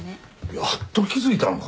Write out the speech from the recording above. やっと気付いたのか？